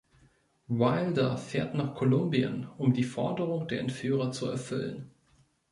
Wilder fährt nach Kolumbien, um die Forderung der Entführer zu erfüllen.